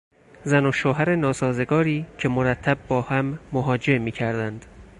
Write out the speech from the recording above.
زن و شوهر ناسازگاری که مرتب با هم محاجه میکردند